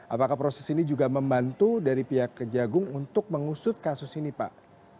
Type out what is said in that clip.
apakah proses ini juga membantu dari pihak kejagung untuk mengusut kasus ini pak